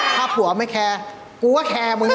ถ้าผัวไม่แคร์กูก็แคร์มึง